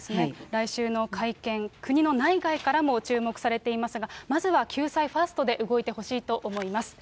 来週の会見、国の内外からも注目されていますが、まずは救済ファーストで動いてほしいと思います。